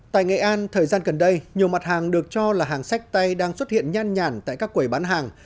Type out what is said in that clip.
tại nghệ an thời gian gần đây nhiều mặt hàng được cho là hàng sách tay đang xuất hiện nhan nhản tại các quầy bán hàng